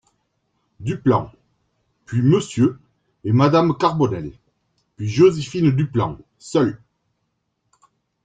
Duplan ; puis Monsieur et Madame Carbonel, puis Joséphine Duplan , seul.